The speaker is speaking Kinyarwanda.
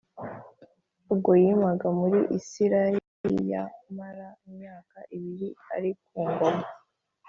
ubwo yimaga muri Isirayeliamara imyaka ibiri ari ku ngoma